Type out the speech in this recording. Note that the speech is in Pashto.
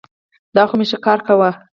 دا خو مي ښه کار کاوه.